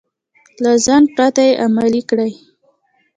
له ځنډ پرته يې عملي کړئ.